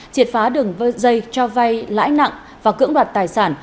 triệt phá đường dây cho vay lãi nặng và cưỡng đoạt tài sản